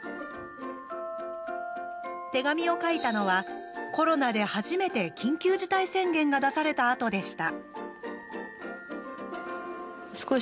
手紙を書いたのはコロナで初めて緊急事態宣言が出されたあとでした。